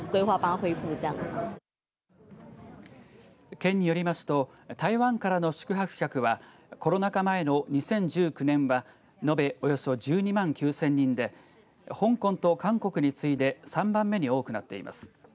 県によりますと台湾からの宿泊客はコロナ禍前の２０１９年は延べおよそ１２万９０００人で香港と韓国についで３番目に多くなっています。